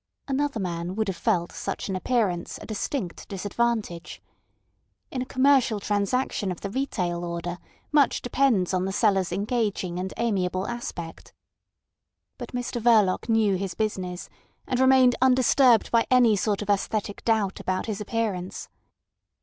Another man would have felt such an appearance a distinct disadvantage. In a commercial transaction of the retail order much depends on the seller's engaging and amiable aspect. But Mr Verloc knew his business, and remained undisturbed by any sort of æsthetic doubt about his appearance.